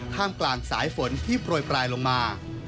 กลางสายฝนที่โปรยปลายลงมา